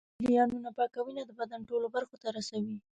شریانونه پاکه وینه د بدن ټولو برخو ته رسوي.